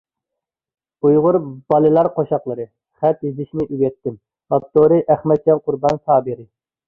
ئۇيغۇر بالىلار قوشاقلىرى: «خەت يېزىشنى ئۆگەتتىم»، ئاپتورى: ئەخمەتجان قۇربان سابىرى